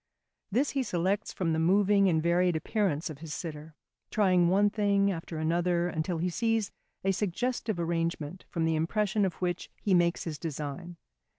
This he selects from the moving and varied appearance of his sitter, trying one thing after another, until he sees a suggestive arrangement, from the impression of which he makes his design.